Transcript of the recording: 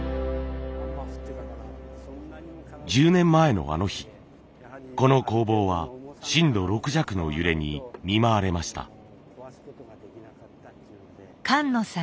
１０年前のあの日この工房は震度６弱の揺れに見舞われました。